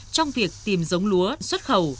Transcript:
trong việc tìm dông lúa xuất khẩu